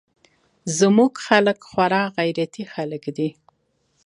زموږ خلق خورا غيرتي خلق دي.